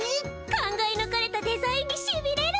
考えぬかれたデザインにしびれる！